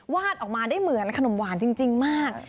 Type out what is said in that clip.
วาดออกมาได้เหมือนขนมหวานจริงมาก